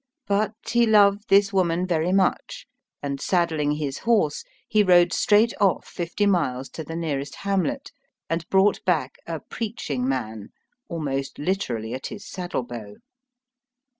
But he loved this woman very much, and, saddHng his horse, he rode straight off fifty miles to the nearest hamlet, and brought back ^^a preaching man*' almost literally at his saddle bow.